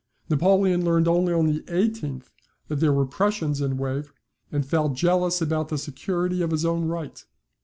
Napoleon learned only on the 18th, that there were Prussians in Wavre, and felt jealous about the security of his own right.